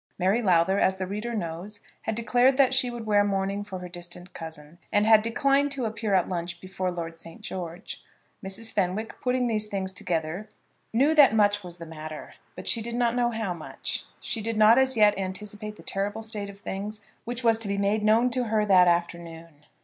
Mary Lowther, as the reader knows, had declared that she would wear mourning for her distant cousin, and had declined to appear at lunch before Lord St. George. Mrs. Fenwick, putting these things together, knew that much was the matter, but she did not know how much. She did not as yet anticipate the terrible state of things which was to be made known to her that afternoon.